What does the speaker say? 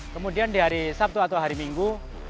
kemudian di hari sabtu atau hari minggu